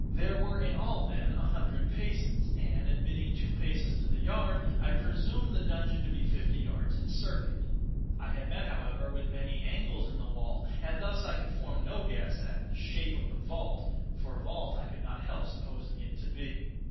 There were in all, then, a hundred paces; and, admitting two paces to the yard, I presumed the dungeon to be fifty yards in circuit. I had met, however, with many angles in the wall, and thus I could form no guess at the shape of the vault, for vault I could not help supposing it to be.